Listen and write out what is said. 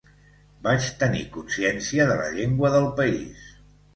Vaig tenir consciencia de la llengua del país.